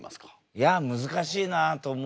いや難しいなあと思うけど。